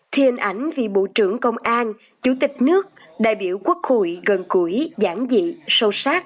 thì hình ảnh vị bộ trưởng công an chủ tịch nước đại biểu quốc hội gần gũi giảng dị sâu sát